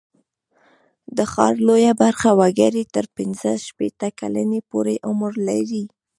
د ښار لویه برخه وګړي تر پینځه شپېته کلنۍ پورته عمر لري.